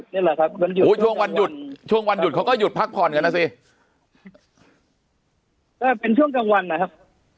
นี่แหละครับวันหยุดอุ้ยช่วงวันหยุดช่วงวันหยุดเขาก็หยุดพักผ่อนกันนะสิก็เป็นช่วงกลางวันนะครับ